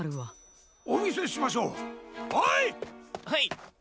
はい！